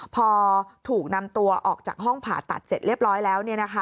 พอถูกนำตัวออกจากห้องผ่าตัดเสร็จเรียบร้อยแล้ว